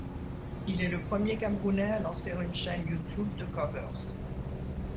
Il est le premier Camerounais à lancer une chaîne Youtube de covers.